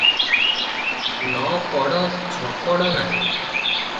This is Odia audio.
ନ କଡ଼ ଛକଡ଼ ନାହିଁ ।